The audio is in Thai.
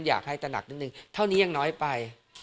ตระหนักนิดนึงเท่านี้ยังน้อยไป